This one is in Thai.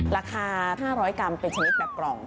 ราคา๕๐๐กรัมเป็นชนิดแบบกล่อง